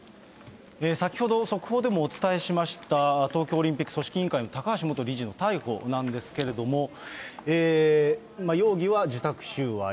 先ほど、速報でもお伝えしました東京オリンピック組織委員会の高橋元理事の逮捕なんですけれども、容疑は受託収賄。